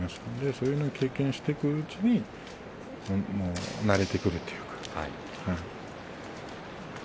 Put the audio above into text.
そういうのを経験していくうちに慣れてくるというか。